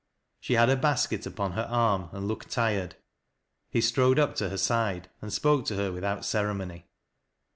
She had a basket upon her arm and looked tired. He strode up to her side and spoke to her without ceremony.